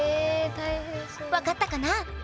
分かったかな？